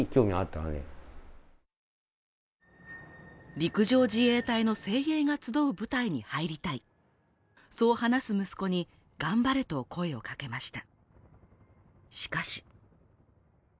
陸上自衛隊の精鋭が集う部隊に入りたいそう話す息子に頑張れと声をかけました。